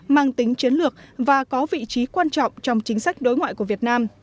mang tính chiến lược và có vị trí quan trọng trong chính sách đối ngoại của việt nam